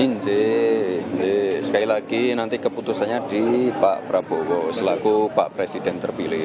ini sekali lagi nanti keputusannya di pak prabowo selaku pak presiden terpilih